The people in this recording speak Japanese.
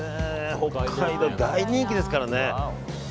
北海道、大人気ですから。